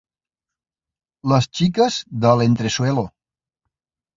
Les xiques de l'entresuelo.